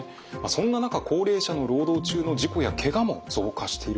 そんな中高齢者の労働中の事故やケガも増加しているということですね。